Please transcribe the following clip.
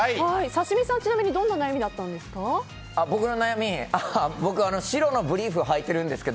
刺身さんどんな悩みだったんですか？